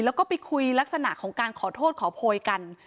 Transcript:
แล้วก็ไปคุยลักษณะของการขอโทษขอโพยกัน